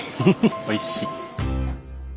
おいしい！